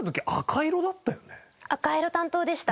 赤色担当でした。